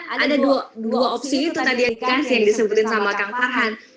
ada dua opsi itu tadi yang dikasih yang disebutin sama kang farhan